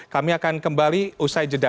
kami akan kembali usai jeda